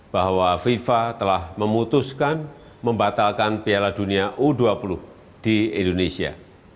bahwa fifa telah memutuskan membatalkan piala dunia u dua puluh di indonesia